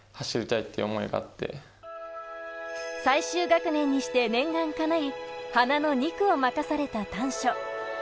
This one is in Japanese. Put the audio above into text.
最終学年にして念願叶い、花の２区を任された丹所。